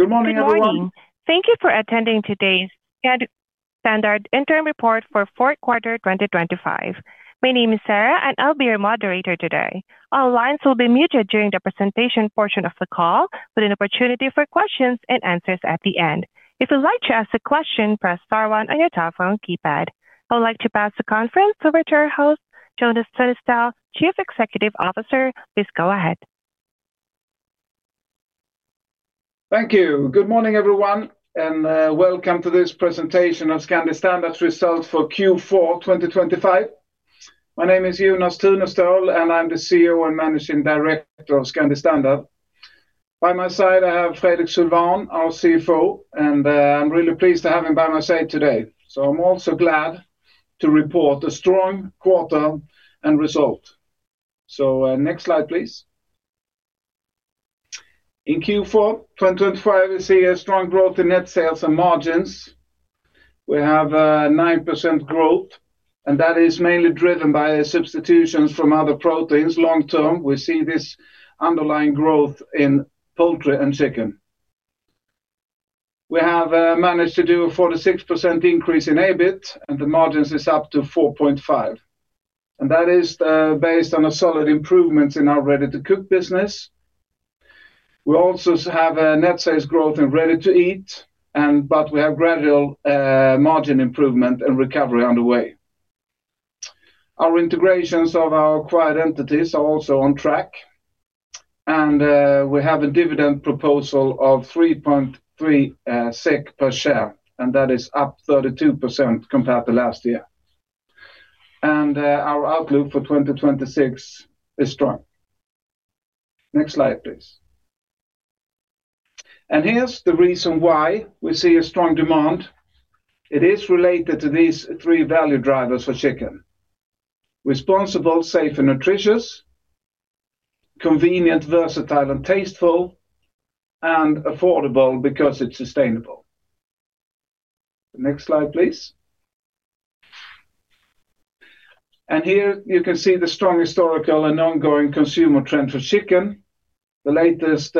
Good morning, everyone. Good morning. Thank you for attending today's Scandi Standard Interim Report for Fourth Quarter 2025. My name is Sarah, and I'll be your moderator today. All lines will be muted during the presentation portion of the call, with an opportunity for questions and answers at the end. If you'd like to ask a question, press star 1 on your telephone keypad. I would like to pass the conference over to our host, Jonas Tunestål, Chief Executive Officer. Please go ahead. Thank you. Good morning, everyone, and welcome to this presentation of Scandi Standard's results for Q4 2025. My name is Jonas Tunestål, and I'm the CEO and Managing Director of Scandi Standard. By my side, I have Fredrik Sylwan, our CFO, and I'm really pleased to have him by my side today. I'm also glad to report a strong quarter and result. Next slide, please. In Q4 2025, we see a strong growth in net sales and margins. We have a 9% growth, and that is mainly driven by substitutions from other proteins. Long-term, we see this underlying growth in poultry and chicken. We have managed to do a 46% increase in EBIT, and the margin is up to 4.5%. That is based on solid improvements in our Ready-to-Cook business. We also have net sales growth in Ready-to-Eat, but we have gradual margin improvement and recovery underway. Our integrations of our acquired entities are also on track, and we have a dividend proposal of 3.3 SEK per share, and that is up 32% compared to last year. Our outlook for 2026 is strong. Next slide, please. Here's the reason why we see a strong demand. It is related to these three value drivers for chicken: responsible, safe, and nutritious. Convenient, versatile, and tasteful. And affordable because it's sustainable. Next slide, please. Here you can see the strong historical and ongoing consumer trend for chicken. The latest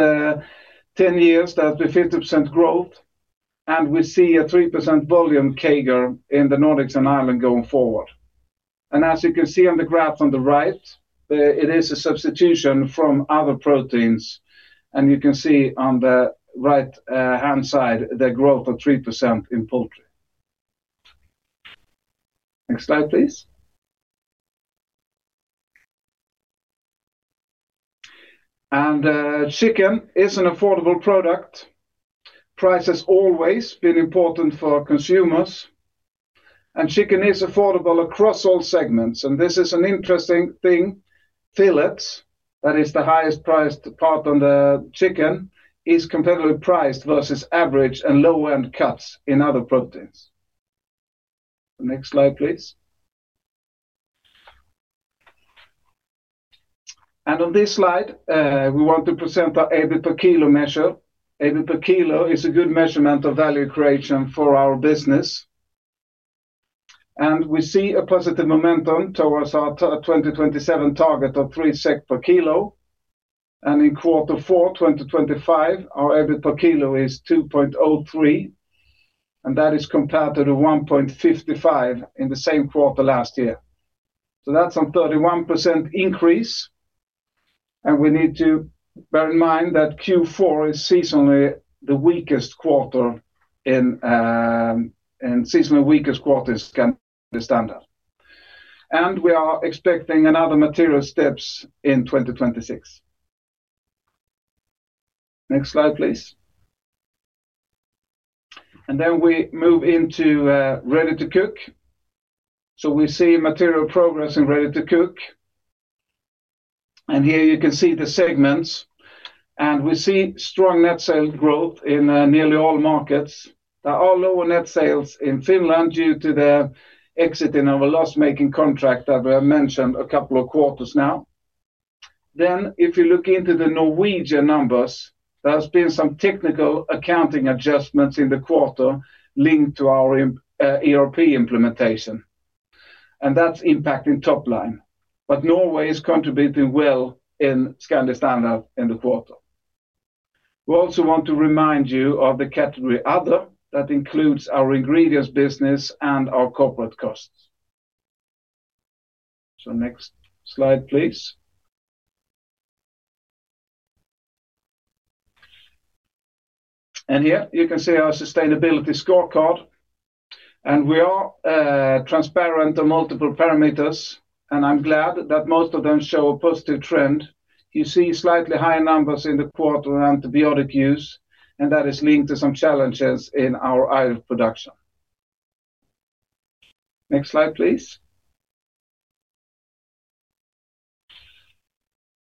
10 years, that's been 50% growth, and we see a 3% volume CAGR in the Nordics and Ireland going forward. As you can see on the graph on the right, it is a substitution from other proteins, and you can see on the right-hand side the growth of 3% in poultry. Next slide, please. Chicken is an affordable product. Price has always been important for consumers, and chicken is affordable across all segments. This is an interesting thing: fillets, that is, the highest-priced part on the chicken, is competitively priced versus average and low-end cuts in other proteins. Next slide, please. On this slide, we want to present our EBIT per kilo measure. EBIT per kilo is a good measurement of value creation for our business, and we see a positive momentum towards our 2027 target of 3 SEK per kilo. In Q4 2025, our EBIT per kilo is 2.03, and that is compared to the 1.55 in the same quarter last year. So that's a 31% increase, and we need to bear in mind that Q4 is seasonally the weakest quarter in Scandi Standard. And we are expecting another material steps in 2026. Next slide, please. And then we move into Ready-to-Cook. So we see material progress in Ready-to-Cook. And here you can see the segments, and we see strong net sales growth in nearly all markets. There are lower net sales in Finland due to the exit in our loss-making contract that we have mentioned a couple of quarters now. Then if you look into the Norwegian numbers, there have been some technical accounting adjustments in the quarter linked to our ERP implementation, and that's impacting top line. But Norway is contributing well in Scandi Standard in the quarter. We also want to remind you of the category other, that includes our ingredients business and our corporate costs. So next slide, please. Here you can see our sustainability scorecard, and we are transparent on multiple parameters, and I'm glad that most of them show a positive trend. You see slightly higher numbers in the quarter on antibiotic use, and that is linked to some challenges in our Irish production. Next slide, please.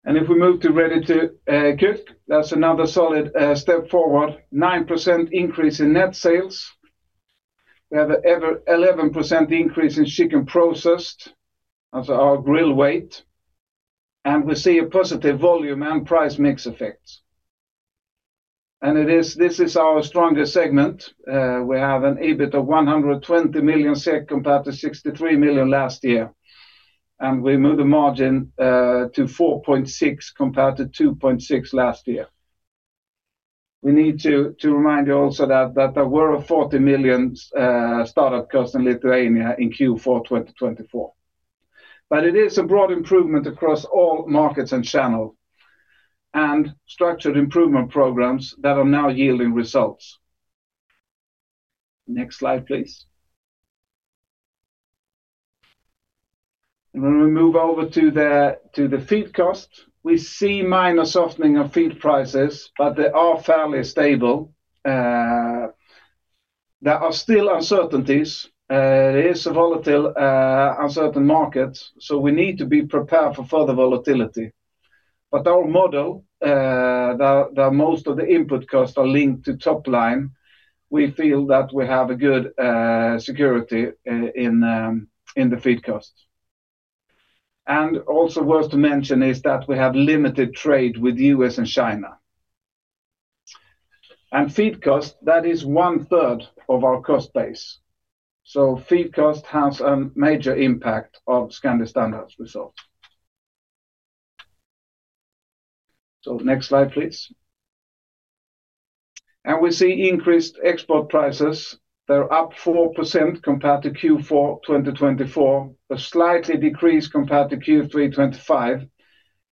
If we move to Ready-to-Cook, that's another solid step forward: 9% increase in net sales. We have an 11% increase in chicken processed, that's our grill weight, and we see a positive volume and price mix effects. This is our strongest segment. We have an EBIT of 120 million SEK compared to 63 million last year, and we moved the margin to 4.6% compared to 2.6% last year. We need to remind you also that there were 40 million startup costs in Lithuania in Q4 2024, but it is a broad improvement across all markets and channels, and structured improvement programs that are now yielding results. Next slide, please. And when we move over to the feed costs, we see minor softening of feed prices, but they are fairly stable. There are still uncertainties. It is a volatile, uncertain market, so we need to be prepared for further volatility. But our model, where most of the input costs are linked to top line, we feel that we have good security in the feed costs. And also worth to mention is that we have limited trade with the U.S. and China. And feed costs, that is one-third of our cost base. So feed costs have a major impact on Scandi Standard's results. So next slide, please. We see increased export prices. They're up 4% compared to Q4 2024, a slight decrease compared to Q3 2025,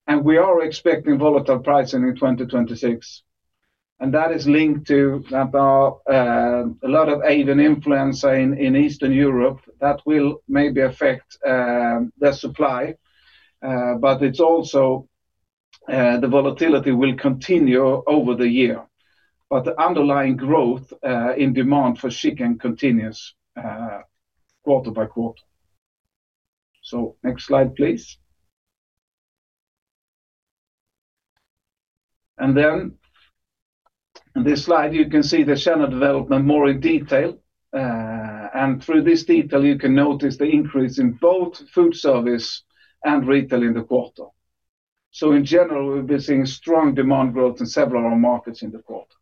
and we are expecting volatile pricing in 2026. That is linked to a lot of avian influenza in Eastern Europe that will maybe affect the supply, but the volatility will continue over the year. The underlying growth in demand for chicken continues quarter by quarter. Next slide, please. Then on this slide, you can see the channel development more in detail, and through this detail, you can notice the increase in both food service and retail in the quarter. In general, we'll be seeing strong demand growth in several of our markets in the quarter.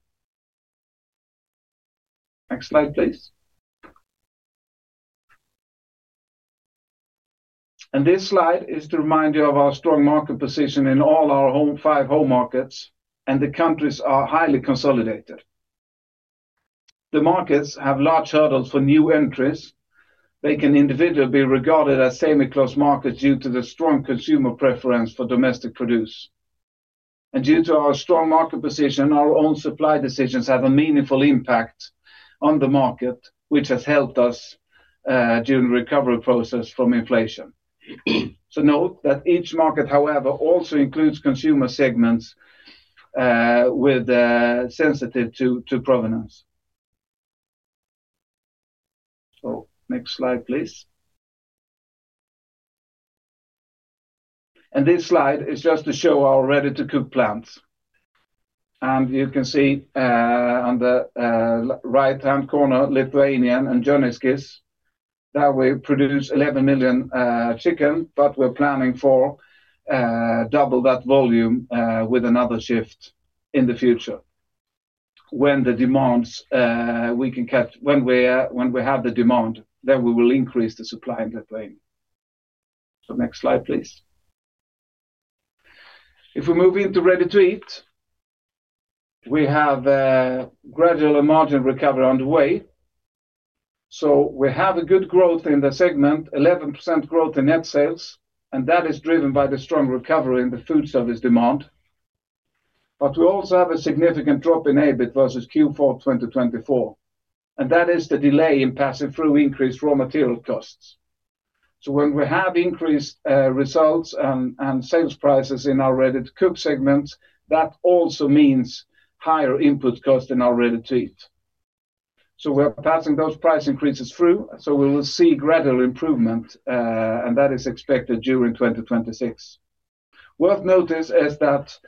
Next slide, please. This slide is to remind you of our strong market position in all our five home markets, and the countries are highly consolidated. The markets have large hurdles for new entries. They can individually be regarded as semi-closed markets due to the strong consumer preference for domestic produce. Due to our strong market position, our own supply decisions have a meaningful impact on the market, which has helped us during the recovery process from inflation. Note that each market, however, also includes consumer segments sensitive to provenance. Next slide, please. This slide is just to show our Ready-to-Cook plants. You can see on the right-hand corner, Lithuania and Žarniškiai. There we produce 11 million chicken, but we're planning for double that volume with another shift in the future. When we have the demand, then we will increase the supply in Lithuania. Next slide, please. If we move into Ready-to-Eat, we have gradual margin recovery underway. So we have good growth in the segment, 11% growth in net sales, and that is driven by the strong recovery in the food service demand. But we also have a significant drop in EBIT versus Q4 2024, and that is the delay in passing through increased raw material costs. So when we have increased results and sales prices in our Ready-to-Cook segments, that also means higher input costs in our Ready-to-Eat. So we are passing those price increases through, so we will see gradual improvement, and that is expected during 2026. Worth noting is that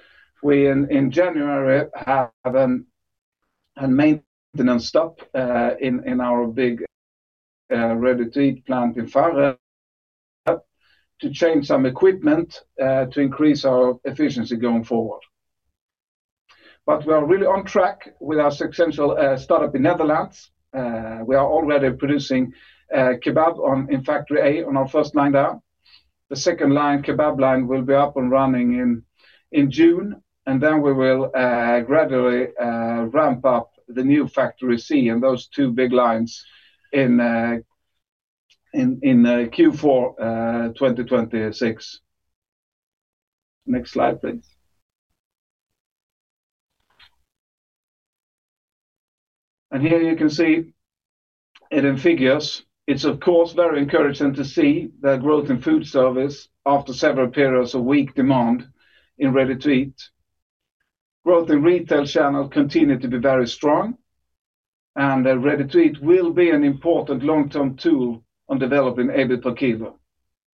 we in January have a maintenance stop in our big Ready-to-Eat plant in Faroe Islands to change some equipment to increase our efficiency going forward. But we are really on track with our successful startup in the Netherlands. We are already producing kebab in Factory A on our first line there. The second kebab line will be up and running in June, and then we will gradually ramp up the new Factory C and those two big lines in Q4 2026. Next slide, please. And here you can see it in figures. It's, of course, very encouraging to see the growth in food service after several periods of weak demand in Ready-to-Eat. Growth in retail channels continues to be very strong, and Ready-to-Eat will be an important long-term tool on developing EBIT per kilo,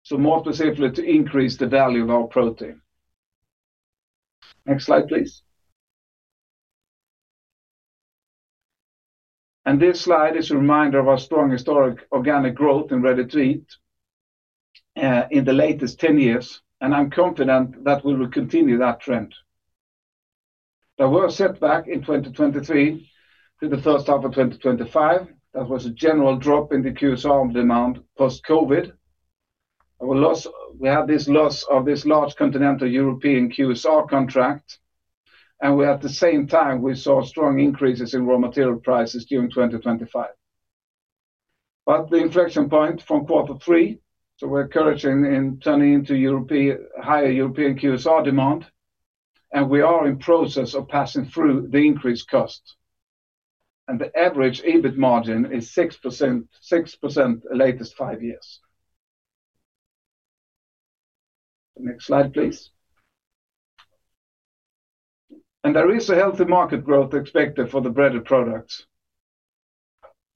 so more specifically to increase the value of our protein. Next slide, please. And this slide is a reminder of our strong historic organic growth in Ready-to-Eat in the latest 10 years, and I'm confident that we will continue that trend. There was a setback in 2023 through the first half of 2025. There was a general drop in the QSR demand post-COVID. We had this loss of this large Continental European QSR contract, and at the same time, we saw strong increases in raw material prices during 2025. But the inflection point from quarter three, so we're encouraging in turning into higher European QSR demand, and we are in process of passing through the increased costs. And the average EBIT margin is 6% the latest five years. Next slide, please. There is a healthy market growth expected for the breaded products.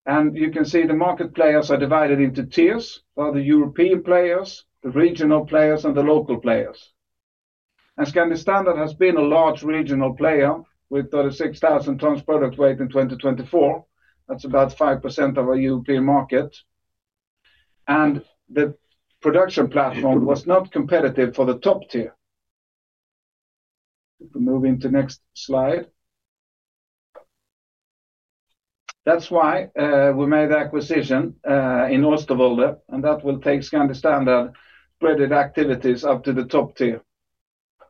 You can see the market players are divided into tiers: there are the European players, the regional players, and the local players. Scandi Standard has been a large regional player with 36,000 tons product weight in 2024. That's about 5% of our European market. The production platform was not competitive for the top tier. If we move into the next slide. That's why we made the acquisition in Oosterwolde, and that will take Scandi Standard's breaded activities up to the top tier.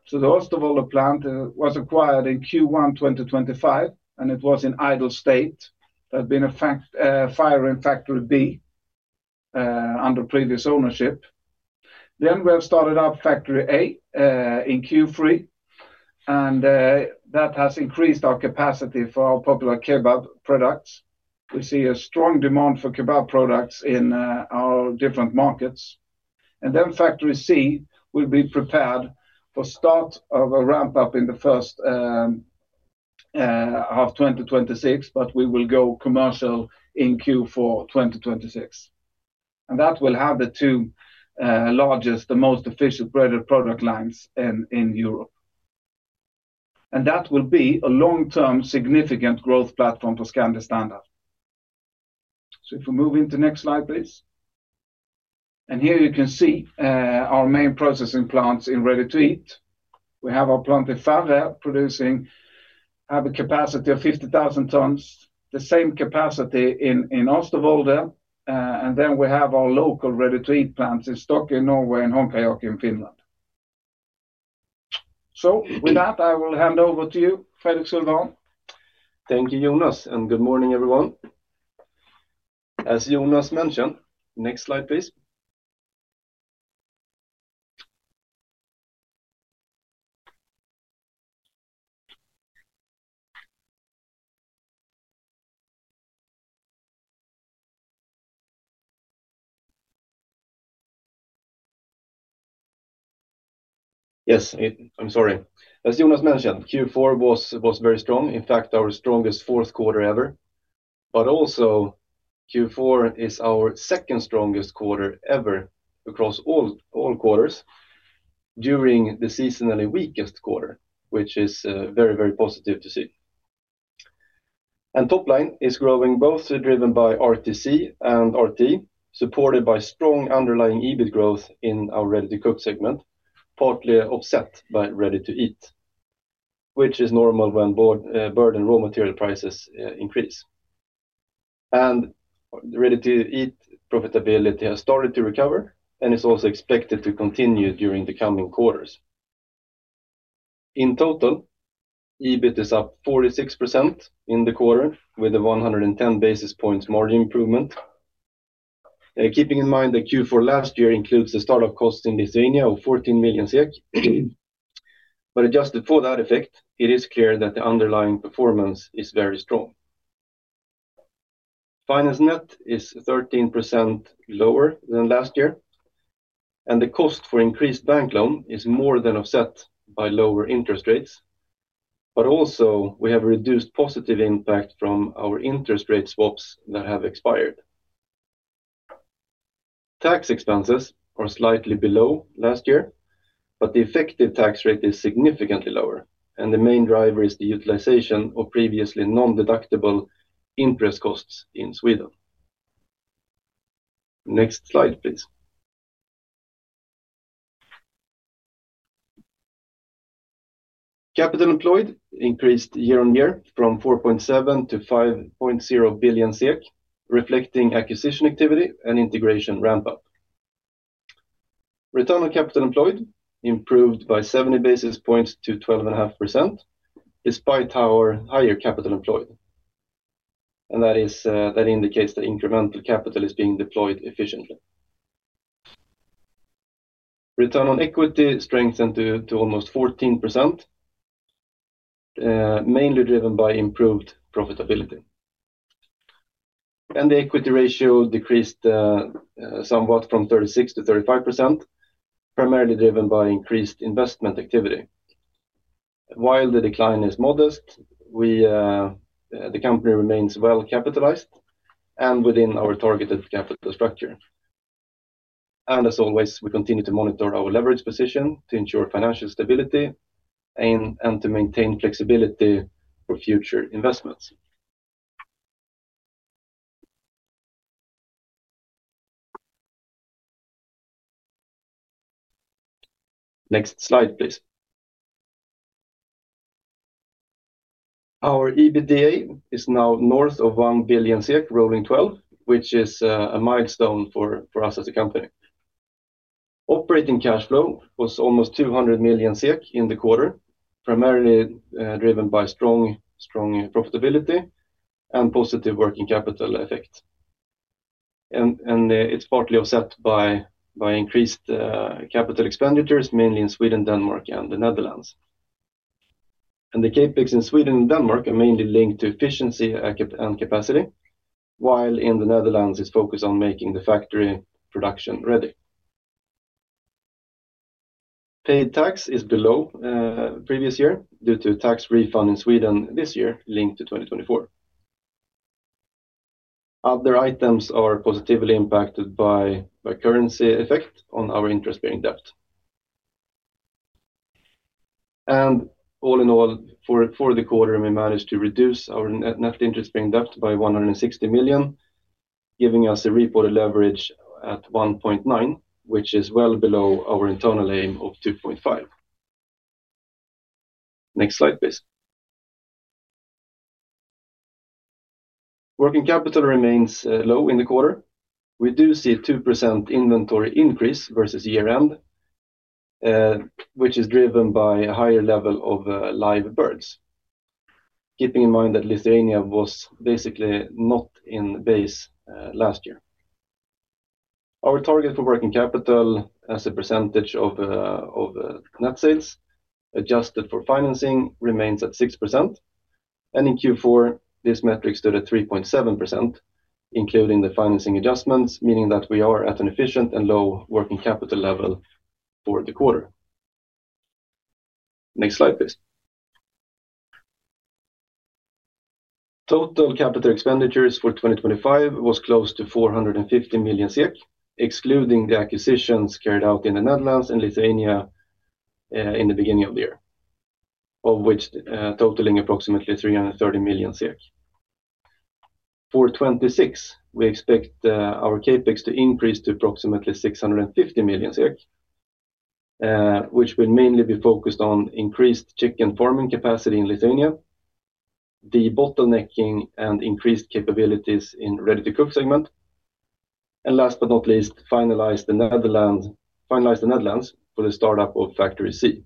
So the Oosterwolde plant was acquired in Q1 2025, and it was in idle state. There had been a fire in Factory B under previous ownership. Then we have started up Factory A in Q3, and that has increased our capacity for our popular kebab products. We see a strong demand for kebab products in our different markets. And then Factory C will be prepared for the start of a ramp-up in the first half of 2026, but we will go commercial in Q4 2026. And that will have the two largest, the most efficient breaded product lines in Europe. And that will be a long-term significant growth platform for Scandi Standard. So if we move into the next slide, please. Here you can see our main processing plants in Ready-to-Eat. We have our plant in Faroe Islands producing a capacity of 50,000 tons, the same capacity in Oosterwolde, and then we have our local Ready-to-Eat plants in Stockholm, Norway, and Honkajoki in Finland. So with that, I will hand over to you, Fredrik Sylwan. Thank you, Jonas, and good morning, everyone. As Jonas mentioned, next slide, please. Yes, I'm sorry. As Jonas mentioned, Q4 was very strong. In fact, our strongest fourth quarter ever. But also, Q4 is our second strongest quarter ever across all quarters during the seasonally weakest quarter, which is very, very positive to see. And top line is growing both driven by RTC and RTE, supported by strong underlying EBIT growth in our Ready-to-Cook segment, partly offset by Ready-to-Eat, which is normal when burden raw material prices increase. Ready-to-Eat profitability has started to recover and is also expected to continue during the coming quarters. In total, EBIT is up 46% in the quarter with a 110 basis points margin improvement. Keeping in mind that Q4 last year includes the startup costs in Lithuania of 14 million, but adjusted for that effect, it is clear that the underlying performance is very strong. Finance net is 13% lower than last year, and the cost for increased bank loan is more than offset by lower interest rates. But also, we have a reduced positive impact from our interest rate swaps that have expired. Tax expenses are slightly below last year, but the effective tax rate is significantly lower, and the main driver is the utilization of previously non-deductible interest costs in Sweden. Next slide, please. Capital employed increased year on year from 4.7 billion-5.0 billion SEK, reflecting acquisition activity and integration ramp-up. Return on Capital Employed improved by 70 basis points to 12.5% despite our higher capital employed, and that indicates that incremental capital is being deployed efficiently. Return on Equity strengthened to almost 14%, mainly driven by improved profitability. The equity ratio decreased somewhat from 36%-35%, primarily driven by increased investment activity. While the decline is modest, the company remains well capitalized and within our targeted capital structure. As always, we continue to monitor our leverage position to ensure financial stability and to maintain flexibility for future investments. Next slide, please. Our EBITDA is now north of 1 billion, rolling 12, which is a milestone for us as a company. Operating cash flow was almost 200 million SEK in the quarter, primarily driven by strong profitability and positive working capital effect. It's partly offset by increased capital expenditures, mainly in Sweden, Denmark, and the Netherlands. The CapEx in Sweden and Denmark are mainly linked to efficiency and capacity, while in the Netherlands, it's focused on making the factory production ready. Paid tax is below previous year due to tax refund in Sweden this year linked to 2024. Other items are positively impacted by currency effect on our interest-bearing debt. All in all, for the quarter, we managed to reduce our net interest-bearing debt by 160 million, giving us a reported leverage at 1.9x, which is well below our internal aim of 2.5x. Next slide, please. Working capital remains low in the quarter. We do see a 2% inventory increase versus year-end, which is driven by a higher level of live birds, keeping in mind that Lithuania was basically not in base last year. Our target for working capital as a percentage of net sales adjusted for financing remains at 6%, and in Q4, this metric stood at 3.7%, including the financing adjustments, meaning that we are at an efficient and low working capital level for the quarter. Next slide, please. Total capital expenditures for 2025 was close to 450 million SEK, excluding the acquisitions carried out in the Netherlands and Lithuania in the beginning of the year, of which totaling approximately 330 million. For 2026, we expect our CapEx to increase to approximately 650 million SEK, which will mainly be focused on increased chicken farming capacity in Lithuania, debottlenecking, and increased capabilities in Ready-to-Cook segment, and last but not least, finalize the Netherlands for the startup of Factory C.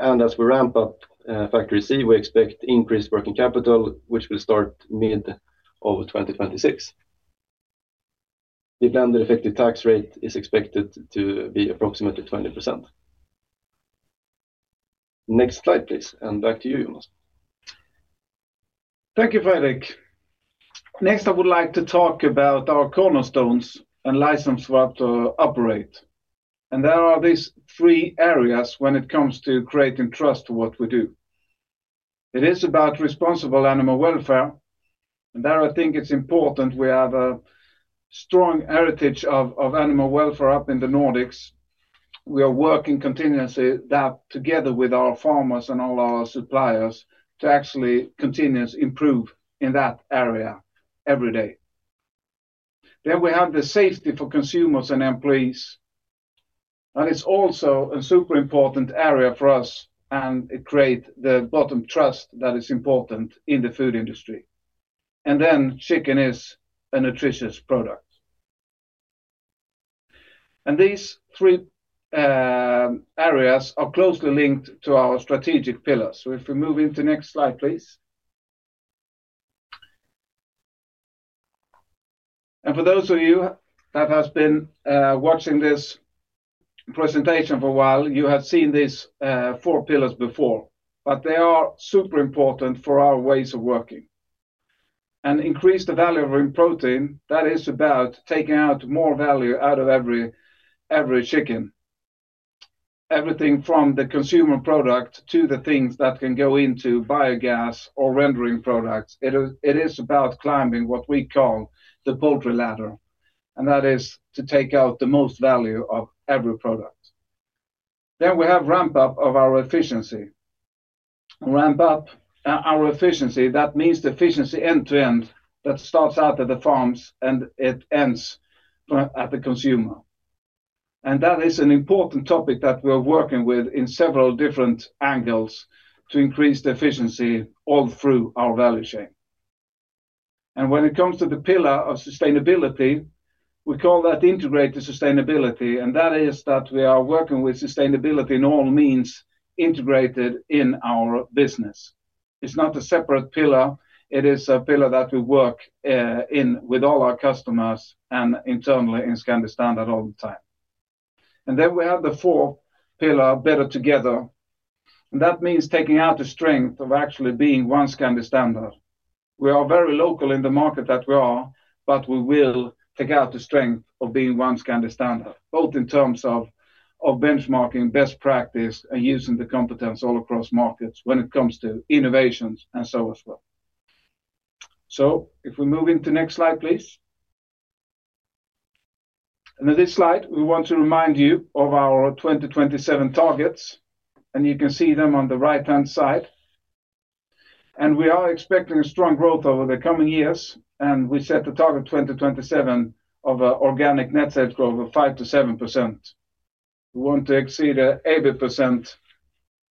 As we ramp up Factory C, we expect increased working capital, which will start mid of 2026. The planned effective tax rate is expected to be approximately 20%. Next slide, please, and back to you, Jonas. Thank you, Fredrik. Next, I would like to talk about our cornerstones and license for us to operate. There are these three areas when it comes to creating trust to what we do. It is about responsible animal welfare, and there, I think it's important we have a strong heritage of animal welfare up in the Nordics. We are working continuously together with our farmers and all our suppliers to actually continuously improve in that area every day. Then we have the safety for consumers and employees, and it's also a super important area for us, and it creates the bottom trust that is important in the food industry. And then chicken is a nutritious product. And these three areas are closely linked to our strategic pillars. So if we move into the next slide, please. And for those of you that have been watching this presentation for a while, you have seen these four pillars before, but they are super important for our ways of working. And increase the value of protein, that is about taking out more value out of every chicken. Everything from the consumer product to the things that can go into biogas or rendering products, it is about climbing what we call the poultry ladder, and that is to take out the most value of every product. Then we have ramp-up of our efficiency. Ramp-up our efficiency, that means efficiency end-to-end that starts out at the farms and it ends at the consumer. And that is an important topic that we are working with in several different angles to increase the efficiency all through our value chain. And when it comes to the pillar of sustainability, we call that integrated sustainability, and that is that we are working with sustainability in all means integrated in our business. It's not a separate pillar. It is a pillar that we work in with all our customers and internally in Scandi Standard all the time. And then we have the fourth pillar, better together. And that means taking out the strength of actually being one Scandi Standard. We are very local in the market that we are, but we will take out the strength of being one Scandi Standard, both in terms of benchmarking, best practice, and using the competence all across markets when it comes to innovations and so as well. So if we move into the next slide, please. And on this slide, we want to remind you of our 2027 targets, and you can see them on the right-hand side. And we are expecting a strong growth over the coming years, and we set the target 2027 of organic net sales growth of 5%-7%. We want to exceed 80%,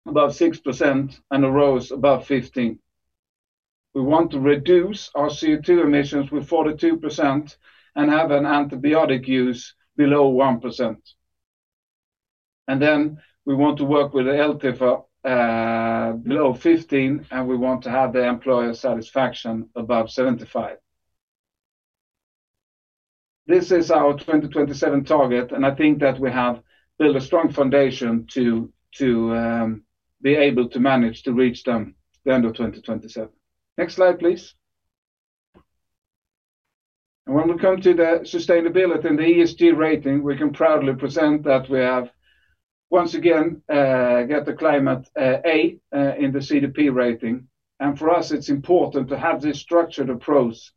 above 6%, and ROCE above 15%. We want to reduce our CO2 emissions with 42% and have an antibiotic use below 1%. Then we want to work with the LTIFR below 15, and we want to have the employer satisfaction above 75. This is our 2027 target, and I think that we have built a strong foundation to be able to manage to reach them at the end of 2027. Next slide, please. When we come to the sustainability and the ESG rating, we can proudly present that we have, once again, got the Climate A in the CDP rating. For us, it's important to have this structured approach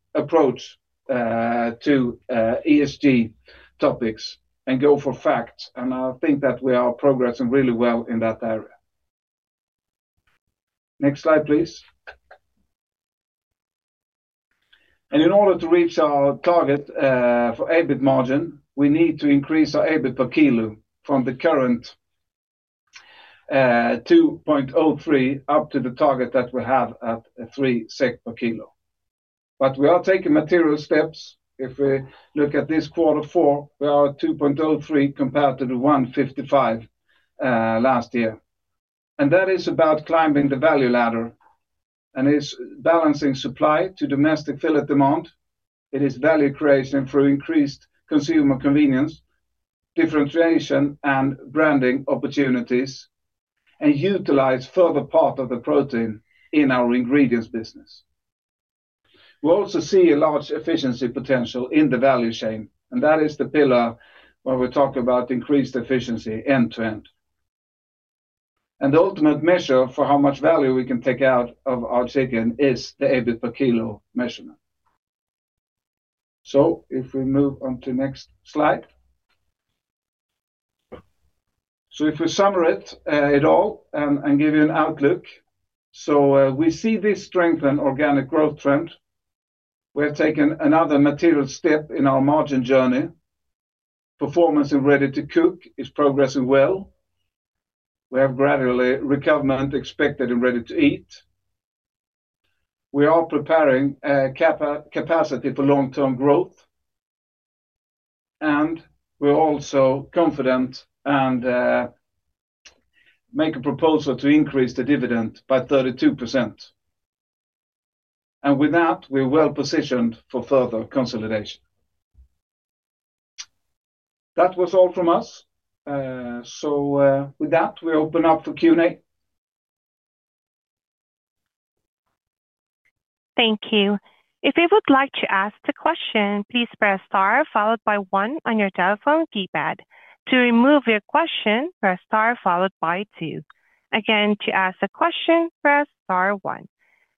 to ESG topics and go for facts, and I think that we are progressing really well in that area. Next slide, please. In order to reach our target for EBIT margin, we need to increase our EBIT per kilo from the current 2.03 up to the target that we have at 3 SEK per kilo. We are taking material steps. If we look at this quarter four, we are at 2.03 compared to the 1.55 last year. That is about climbing the value ladder and is balancing supply to domestic fillet demand. It is value creation through increased consumer convenience, differentiation, and branding opportunities, and utilize further part of the protein in our ingredients business. We also see a large efficiency potential in the value chain, and that is the pillar where we talk about increased efficiency end-to-end. The ultimate measure for how much value we can take out of our chicken is the EBIT per kilo measurement. If we move on to the next slide. So if we summarize it all and give you an outlook. We see this strengthened organic growth trend. We have taken another material step in our margin journey. Performance in Ready-to-Cook is progressing well. We have gradual recovery expected in Ready-to-Eat. We are preparing capacity for long-term growth, and we're also confident and make a proposal to increase the dividend by 32%. With that, we're well positioned for further consolidation. That was all from us. With that, we open up for Q&A. Thank you. If you would like to ask a question, please press star followed by 1 on your telephone keypad. To remove your question, press star followed by 2. Again, to ask a question, press star 1.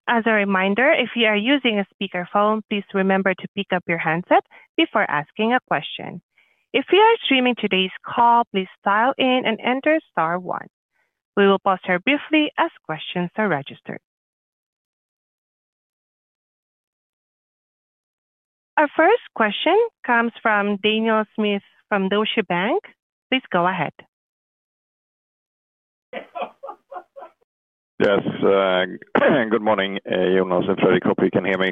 As a reminder, if you are using a speakerphone, please remember to pick up your handset before asking a question. If you are streaming today's call, please dial in and enter star 1. We will pause here briefly as questions are registered. Our first question comes from Daniel Schmidt from Danske Bank. Please go ahead. Yes. Good morning, Jonas and Fredrik. Hope you can hear me.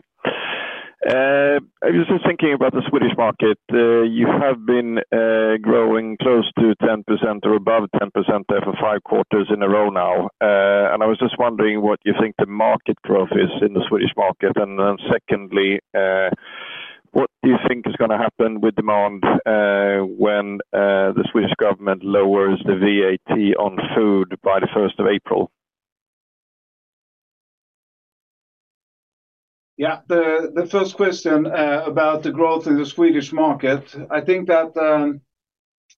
I was just thinking about the Swedish market. You have been growing close to 10% or above 10% there for five quarters in a row now. And I was just wondering what you think the market growth is in the Swedish market. And then secondly, what do you think is going to happen with demand when the Swedish government lowers the VAT on food by the 1st of April? Yeah. The first question about the growth in the Swedish market, I think that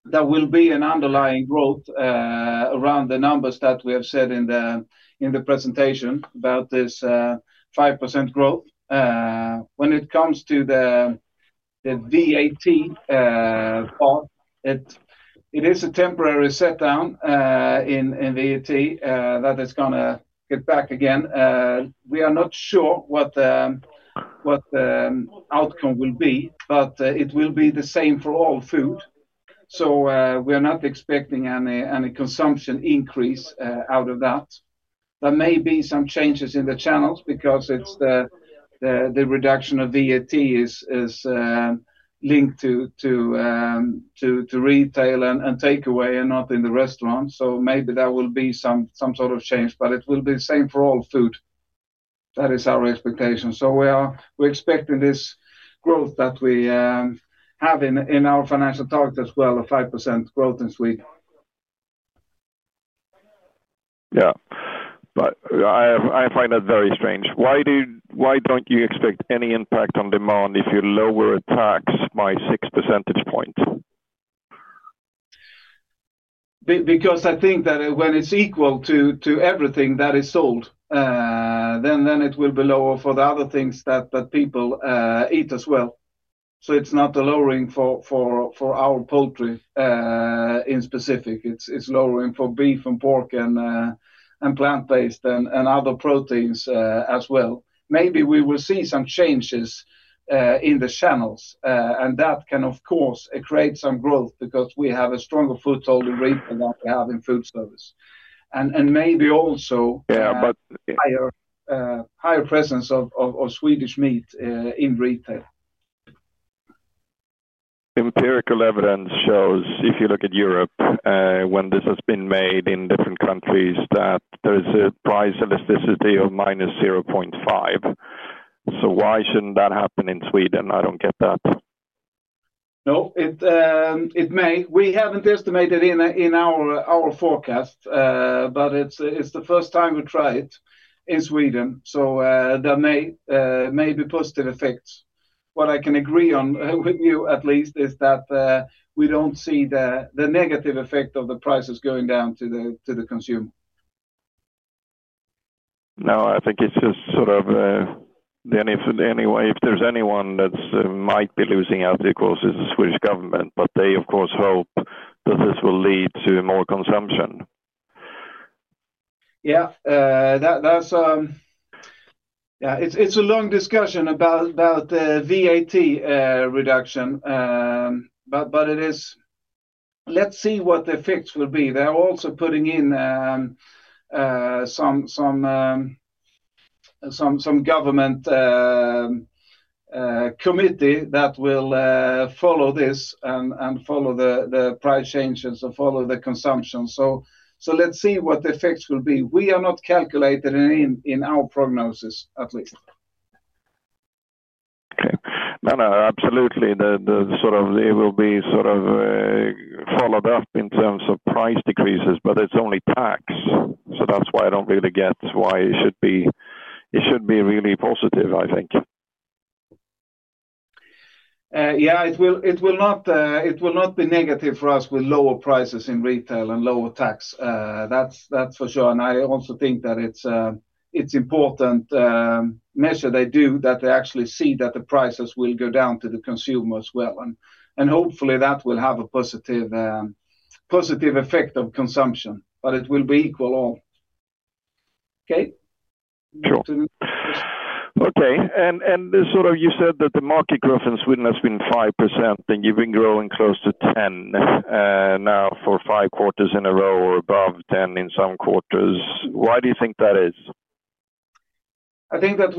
there will be an underlying growth around the numbers that we have said in the presentation about this 5% growth. When it comes to the VAT part, it is a temporary step-down in VAT that is going to get back again. We are not sure what the outcome will be, but it will be the same for all food. So we are not expecting any consumption increase out of that. There may be some changes in the channels because the reduction of VAT is linked to retail and takeaway and not in the restaurants. So maybe there will be some sort of change, but it will be the same for all food. That is our expectation. So we are expecting this growth that we have in our financial target as well, a 5% growth in Sweden. Yeah. But I find that very strange. Why don't you expect any impact on demand if you lower a tax by 6 percentage points? Because I think that when it's equal to everything that is sold, then it will be lower for the other things that people eat as well. So it's not a lowering for our poultry in specific. It's lowering for beef and pork and plant-based and other proteins as well. Maybe we will see some changes in the channels, and that can, of course, create some growth because we have a stronger foothold in retail than we have in food service. And maybe also higher presence of Swedish meat in retail. Empirical evidence shows, if you look at Europe, when this has been made in different countries, that there is a price elasticity of -0.5. So why shouldn't that happen in Sweden? I don't get that. No, it may. We haven't estimated in our forecast, but it's the first time we try it in Sweden. So there may be positive effects. What I can agree on with you, at least, is that we don't see the negative effect of the prices going down to the consumer. No, I think it's just sort of anyway, if there's anyone that might be losing out, of course, it's the Swedish government. But they, of course, hope that this will lead to more consumption. Yeah. Yeah. It's a long discussion about the VAT reduction, but let's see what the effects will be. They are also putting in some government committee that will follow this and follow the price changes and follow the consumption. So let's see what the effects will be. We are not calculated in our prognosis, at least. Okay. No, no. Absolutely. Sort of, it will be sort of followed up in terms of price decreases, but it's only tax. So that's why I don't really get why it should be really positive, I think. Yeah. It will not be negative for us with lower prices in retail and lower tax. That's for sure. And I also think that it's an important measure they do that they actually see that the prices will go down to the consumer as well. And hopefully, that will have a positive effect on consumption, but it will be equal all. Okay? Sure. Okay. Sort of, you said that the market growth in Sweden has been 5%, and you've been growing close to 10% now for five quarters in a row or above 10% in some quarters. Why do you think that is? I think that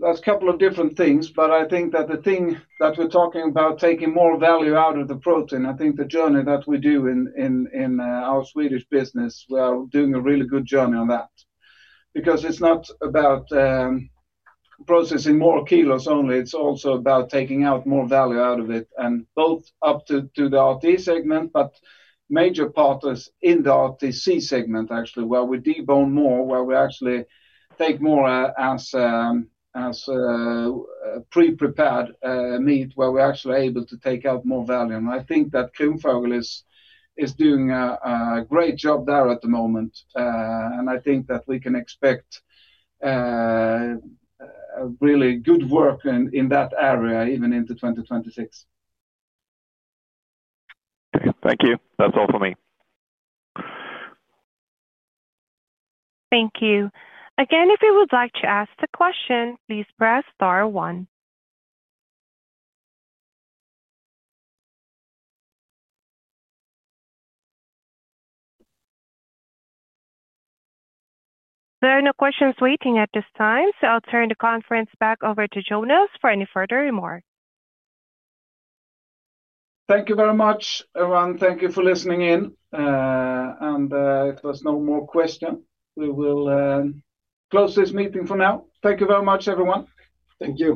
there's a couple of different things, but I think that the thing that we're talking about, taking more value out of the protein, I think the journey that we do in our Swedish business, we are doing a really good journey on that because it's not about processing more kilos only. It's also about taking out more value out of it, and both up to the RT segment, but major part is in the RTC segment, actually, where we debone more, where we actually take more as pre-prepared meat, where we're actually able to take out more value. I think that Kronfågel is doing a great job there at the moment. I think that we can expect really good work in that area even into 2026. Okay. Thank you. That's all from me. Thank you. Again, if you would like to ask a question, please press star 1. There are no questions waiting at this time, so I'll turn the conference back over to Jonas for any further remarks. Thank you very much, everyone. Thank you for listening in. If there's no more question, we will close this meeting for now. Thank you very much, everyone. Thank you.